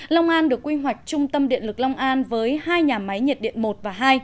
long an được quy hoạch trung tâm điện lực long an với hai nhà máy nhiệt điện một và hai